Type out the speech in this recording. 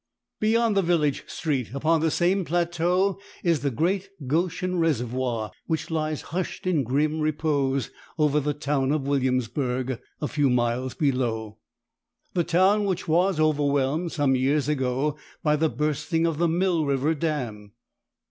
Beyond the village street upon the same plateau is the great Goshen reservoir, which lies hushed in grim repose over the town of Williamsburg, a few miles below, the town which was overwhelmed some years ago by the bursting of the Mill River dam.